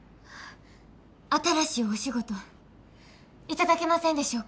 新しいお仕事頂けませんでしょうか。